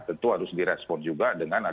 tentu harus direspon juga dengan